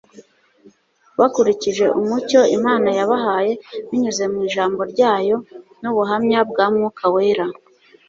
bakurikije umucyo imana yabahaye binyuze mu ijambo ryayo n'ubuhamya bwa mwuka wera